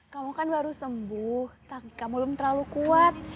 kamu kan baru sembuh kamu belum terlalu kuat